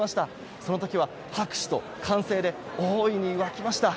その時は拍手と歓声で大いに沸きました。